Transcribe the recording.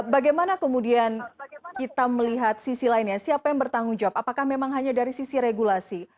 bagaimana kemudian kita melihat sisi lainnya siapa yang bertanggung jawab apakah memang hanya dari sisi regulasi